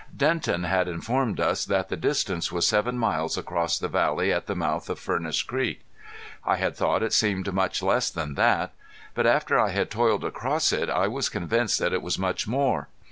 Denton had informed us that the distance was seven miles across the valley at the mouth of Furnace Creek. I had thought it seemed much less than that. But after I had toiled across it I was convinced that it was much more.